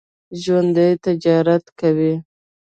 ژوندي تجارت کوي